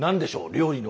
料理の。